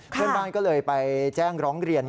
เพื่อนบ้านก็เลยไปแจ้งร้องเรียน